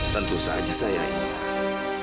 tentu saja saya ingat